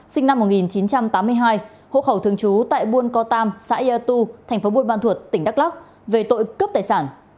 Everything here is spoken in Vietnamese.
sinh năm một nghìn chín trăm tám mươi hai hộ khẩu thường trú tại buôn co tam xã yêu tu tp buôn ban thuột tỉnh đắk lắc về tội cướp tài sản